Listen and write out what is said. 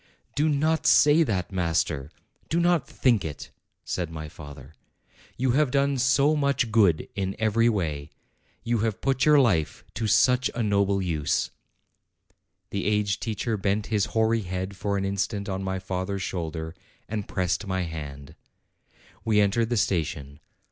"Do not say that, master; do not think it," said my father. "You have done so much good in every way ! You have put your life to such a noble use!" The aged teacher bent his hoary head for an instant on my father's shoulder, and pressed my hand. We entered the station.